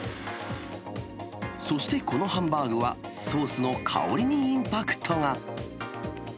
そしてこのハンバーグは、ソースの香りにインパクトが。